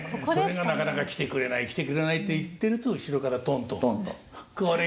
「なかなか来てくれない来てくれない」って言ってると後ろからとんとん。